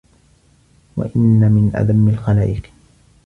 وَإِنَّ مِنْ أَذَمِّ الْخَلَائِقِ